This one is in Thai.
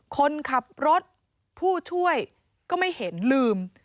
คนขับรถผู้ช่วยก็ไม่เห็นลืม